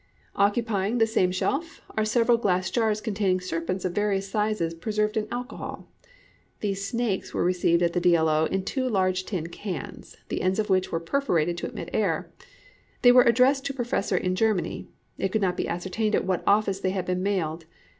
Occupying the same shelf are several glass jars containing serpents of various sizes preserved in alcohol. These snakes were received at the D. L. O. in two large tin cans, the ends of which were perforated to admit air. They were addressed to a professor in Germany. It could not be ascertained at what office they had been mailed.